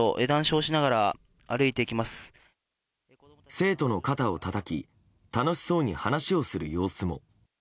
生徒の肩をたたき楽しそうに話をする様子も。